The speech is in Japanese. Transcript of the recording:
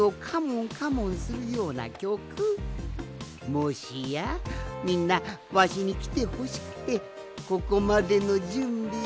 もしやみんなわしにきてほしくてここまでのじゅんびを。